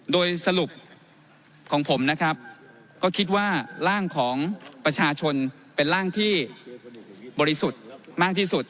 โดยสรุปของผมนะครับก็คิดว่าร่างของประชาชนเป็นร่างที่บริสุทธิ์มากที่สุด